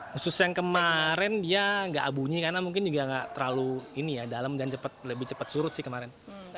khusus yang kemarin dia nggak bunyi karena mungkin juga nggak terlalu ini ya dalam dan lebih cepat surut sih kemarin